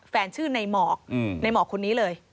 แฟนชื่อนายหมอกนายหมอกคนนี้เลย